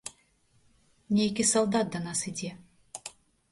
Нейкі салдат да нас ідзе.